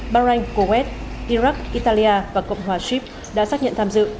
bahrain kuwait iraq italia và cộng hòa shib đã xác nhận tham dự